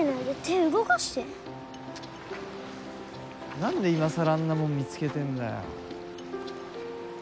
何で今更あんなもん見つけてえんだよ。